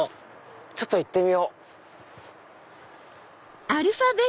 ちょっと行ってみよう。